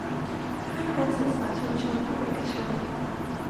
ภาคการศึกษาชุมชนภาคเอกชน